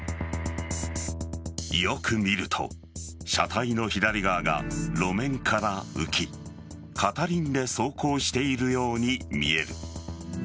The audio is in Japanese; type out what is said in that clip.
よく見ると車体の左側が路面から浮き片輪で走行しているように見える。